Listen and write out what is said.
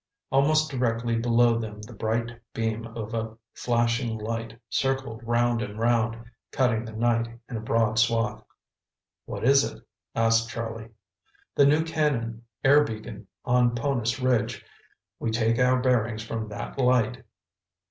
Almost directly below them the bright beam of a flashing light circled round and round, cutting the night in a broad swath. "What is it?" asked Charlie. "The New Canaan airbeacon on Ponus Ridge. We take our bearings from that light."